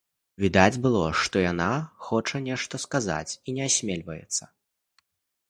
Відаць было, што яна хоча нешта сказаць і не асмельваецца.